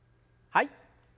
はい。